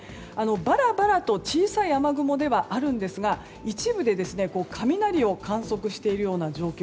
バラバラと小さい雨雲ではあるんですが一部で雷を観測しているような状況。